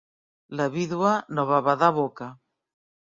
La vídua no va badar boca.